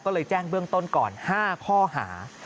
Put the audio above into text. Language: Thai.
ก็เลยแจ้งเบื้องต้นก่อน๕ข้อหา